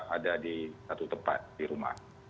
ada di satu tempat di rumah